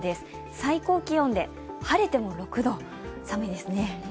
最高気温で、晴れても６度、寒いですね。